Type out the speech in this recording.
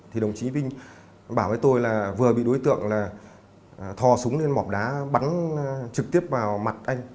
thì đồng chí vinh bảo với tôi là vừa bị đối tượng là thò súng lên mọc đá bắn trực tiếp vào mặt anh